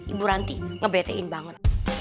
ibu ranti ngebetain banget